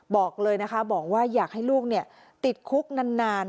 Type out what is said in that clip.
บอกเลยนะคะบอกว่าอยากให้ลูกติดคุกนาน